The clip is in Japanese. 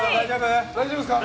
大丈夫ですか？